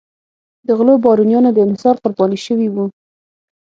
د غلو بارونیانو د انحصار قرباني شوي وو.